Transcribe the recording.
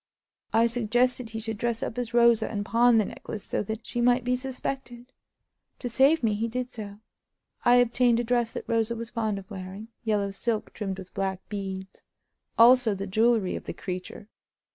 I suggested that he should dress up as Rosa, and pawn the necklace, so that she might be suspected. To save me, he did so. I obtained a dress that Rosa was fond of wearing—yellow silk trimmed with black beads; also the jewelry of the creature.